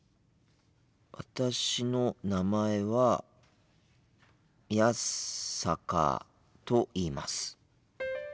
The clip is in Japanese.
私の名前は宮坂と言います。